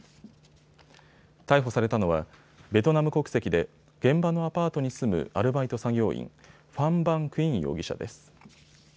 逮捕されたのはベトナム国籍で現場のアパートに住むアルバイト作業員、ファン・ヴァン・クィン容疑者です。